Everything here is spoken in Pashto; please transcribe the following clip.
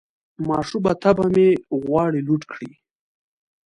ماشومه طبعه مې غواړي لوټ کړي